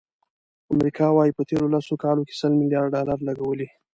امریکا وایي، په تېرو لسو کالو کې سل ملیارد ډالر لګولي.